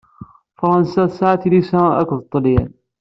Fṛansa tesɛa tilisa ed Ṭṭalyan.